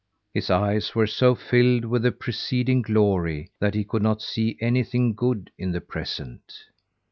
His eyes were so filled with the preceding glory, that he could not see anything good in the present.